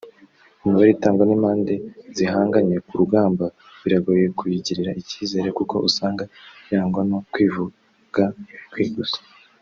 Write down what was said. Imibare itangwa n’impande zihanganye ku rugamba biragoye kuyigirira icyizere kuko usanga irangwa no kwivuga ibigwi gusa